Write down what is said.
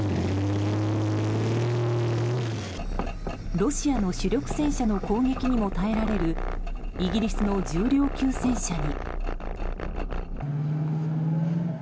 ロシアの主力戦車の攻撃にも耐えられるイギリスの重量級戦車に。